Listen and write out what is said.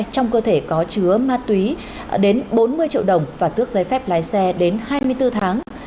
trong cơ thể có chứa ma túy đến bốn mươi triệu đồng và tước giấy phép lái xe đến hai mươi bốn tháng